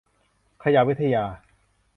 ขยะวิทยา